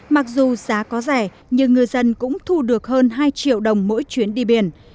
mặc dù giá có rẻ nhưng ngư dân cũng thu được hơn hai triệu đồng mỗi chuyến đi biển